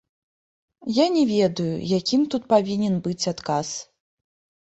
Я не ведаю, якім тут павінен быць адказ.